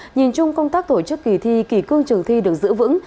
nhìn chung công tác tổ chức kỳ thi kỳ cương trường thi được giữ vững